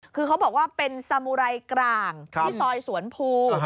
คือเขาบอกว่าเป็นสมุไรกลางที่ซอยสวนภู